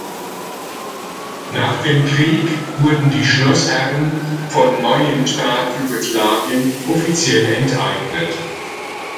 Nach dem Krieg wurden die Schlossherren von neuen Staat Jugoslawien offiziell enteignet.